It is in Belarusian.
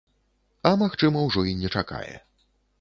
А магчыма, ужо і не чакае.